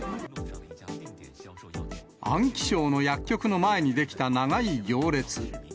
安徽省の薬局の前に出来た長い行列。